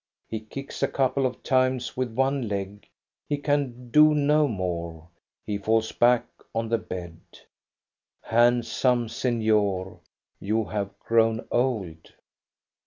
He kicks a couple of times with one leg ; he can do no more, he falls back on the bed. Handsome sefior, you have grown old.